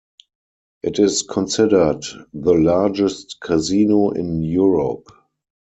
It is considered the largest casino in Europe.